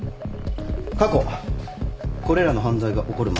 過去これらの犯罪が起こる前